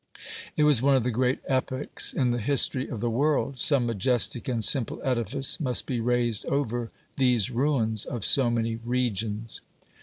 It was one of the great epochs in the history of the world; some majestic and simple edifice must be raised over these ruins of so many regions.